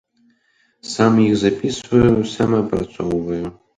Сам іх запісваю, сам апрацоўваю.